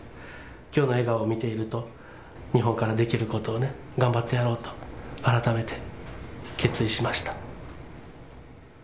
きょうの笑顔を見ていると、日本からできることを頑張ってやろうと改めて決意しました。